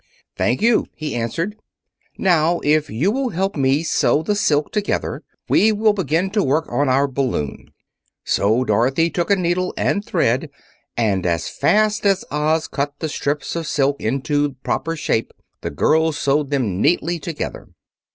"Thank you," he answered. "Now, if you will help me sew the silk together, we will begin to work on our balloon." So Dorothy took a needle and thread, and as fast as Oz cut the strips of silk into proper shape the girl sewed them neatly together.